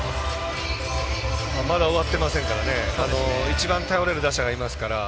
まだ終わっていませんからね、いちばん頼れる打者がいますから。